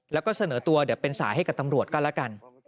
แล้วก็เสนอตัวเดี๋ยวเป็นสายให้กับตำรวจก็แล้วกัน